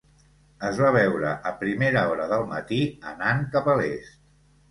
Es va veure a primera hora del matí, anant cap a l'est.